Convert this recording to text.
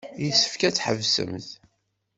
Yessefk ad tḥebsemt.